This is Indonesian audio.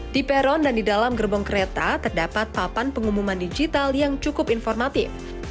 di peron dan di dalam gerbong kereta terdapat papan pengumuman digital yang cukup informatif